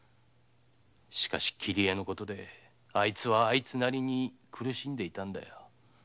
しかし桐江のことであいつはあいつなりに苦しんでいたんだ。